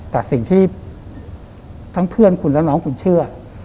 แต่สิ่งที่ทั้งเพื่อนคุณและน้องคุณเชื่อ